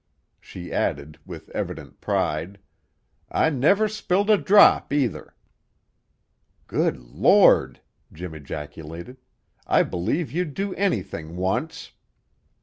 She added, with evident pride. "I never spilled a drop, either!" "Good Lord!" Jim ejaculated. "I believe you'd do anything once!"